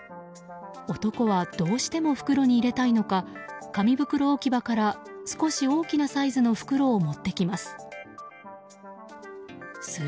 男はどうしても袋に入れたいのか紙袋置き場から少し大きなサイズの袋を持ってきます。